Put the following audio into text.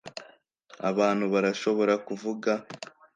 abantu barashobora kuvuga